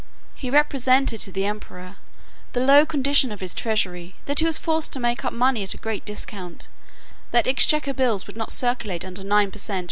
He represented to the emperor "the low condition of his treasury; that he was forced to take up money at a great discount; that exchequer bills would not circulate under nine per cent.